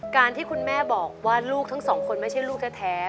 การที่คุณแม่บอกว่าลูกทั้งสองคนไม่ใช่ลูกแท้